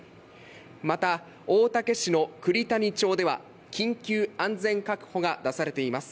また大竹市の栗谷町では緊急安全確保が出されています。